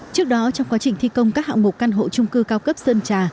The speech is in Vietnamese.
trước đó trong quá trình thi công các hạng mục căn hộ trung cư cao cấp sơn trà